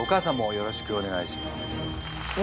よろしくお願いします。